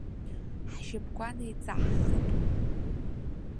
Ҳшьапқәа неиҵаҳхып.